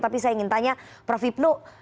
tapi saya ingin tanya prof hipnu